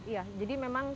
iya jadi memang